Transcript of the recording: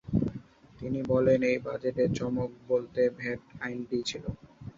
তিনি বলেন, এই বাজেটে চমক বলতে ভ্যাট আইনটিই ছিল।